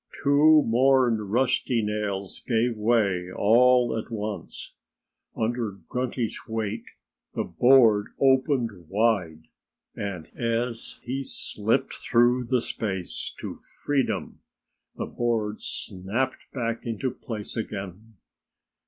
Two more rusty nails gave way all at once. Under Grunty's weight the board opened wide. And as he slipped through the space, to freedom, the board snapped back into place again.